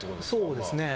そうですね。